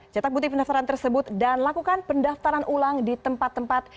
cetak bukti pendaftaran tersebut dan lakukan pendaftaran ulang di tempat tempat